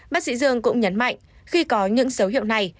bác sĩ dương cũng nhấn mạnh khi có những dấu hiệu này